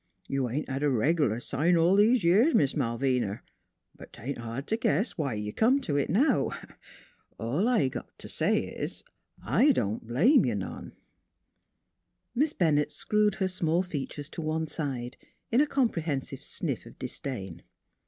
You ain't had a reg' lar sign all these years, Miss Malvina; but 'taint hard t' guess why you come to it now. All I got t' say is: I don't blame you none." Miss Bennett screwed her small features to one side in a comprehensive sniff of disdain.